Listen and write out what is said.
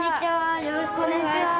よろしくお願いします。